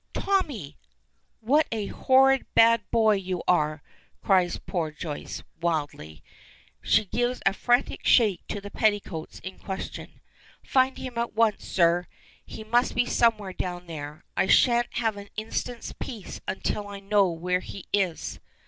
"Tommy! What a horrid, bad boy you are!" cries poor Joyce, wildly. She gives a frantic shake to the petticoats in question. "Find him at once, sir! He must be somewhere down there. I shan't have an instant's peace until I know where he is."